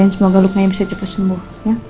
semoga lukanya bisa cepat sembuh